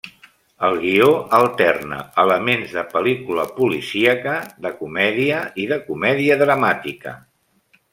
El guió alterna elements de pel·lícula policíaca, de comèdia, i de comèdia dramàtica.